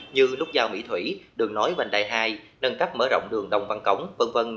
như nút giao mỹ thủy đường nối vành đai hai nâng cấp mở rộng đường đồng văn cống v v